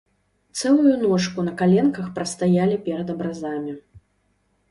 Цэлую ночку на каленках прастаялі перад абразамі.